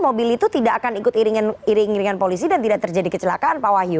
mobil itu tidak akan ikut iring iringan polisi dan tidak terjadi kecelakaan pak wahyu